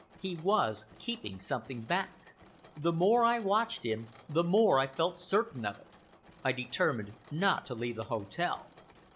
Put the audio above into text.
He was keeping something back. The more I watched him, the more I felt certain of it. I determined not to leave the hotel.